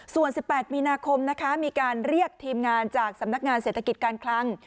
ส่วน๑๘มีนาคมนะคะมีการเรียกทีมงานจากสำนักงานเศรษฐกิจการคลัง